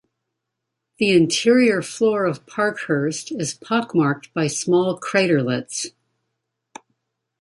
The interior floor of Parkhurst is pock-marked by small craterlets.